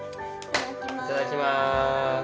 いただきます。